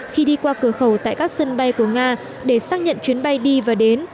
khi đi qua cửa khẩu tại các sân bay của nga để xác nhận chuyến bay đi và đến